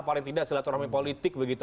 paling tidak silaturahmi politik begitu